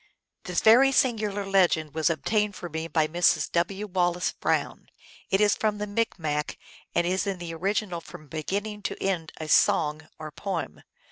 This very singular legend was obtained for me by Mrs. W. Wallace Brown. It is from the Micmac, and is in the original from beginning to end a song, or poem.